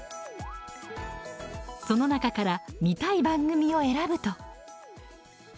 その中から見たい番組を選ぶと。